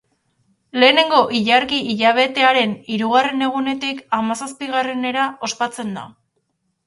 Lehenengo ilargi-hilabetearen hirugarren egunetik hamazazpigarrenera ospatzen da.